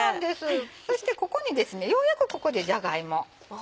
そしてここにようやくここでじゃが芋。